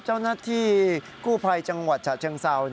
เจ้าหน้าที่กู้ภัยจังหวัดฉะเชิงเซา